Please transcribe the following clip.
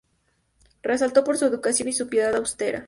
Resaltó por su educación y su piedad austera.